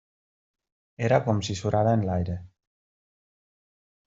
Era com si surara en l'aire.